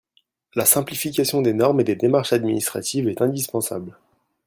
La simplification des normes et des démarches administratives est indispensable.